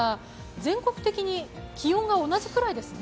全国的に気温同じくらいですね。